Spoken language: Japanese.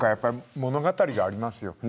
物語があります。